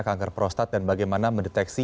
kanker prostat dan bagaimana mendeteksi